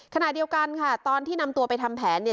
ขณะเดียวกันค่ะตอนที่นำตัวไปทำแผนเนี่ย